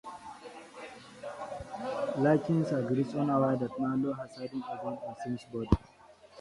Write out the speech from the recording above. Larkin agrees, unaware that Malloy has hidden a gun on Sims' body.